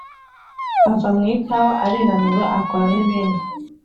Ava mu ikawa arinanura akora nibindi